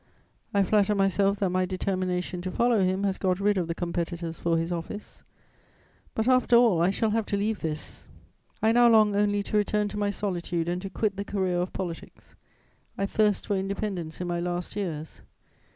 I flatter myself that my determination to follow him has got rid of the competitors for his office. But, after all, I shall have to leave this; I now long only to return to my solitude and to quit the career of politics. I thirst for independence in my last years.